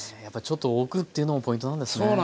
やっぱちょっとおくっていうのもポイントなんですね。